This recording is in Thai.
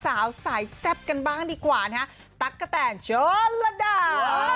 สาวสายแซ่บกันบ้างดีกว่านะฮะตั๊กกะแตนเชิญระดา